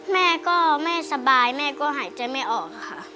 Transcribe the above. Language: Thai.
แม่ก็แม่สบายแม่ก็หายใจไม่ออกค่ะ